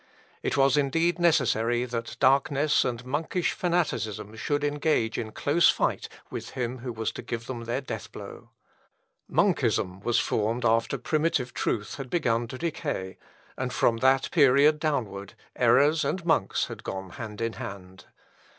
It was indeed necessary that darkness and monkish fanaticism should engage in close fight with him who was to give them their death blow. Monkism was formed after primitive truth had begun to decay, and from that period downward, errors and monks had gone hand in hand.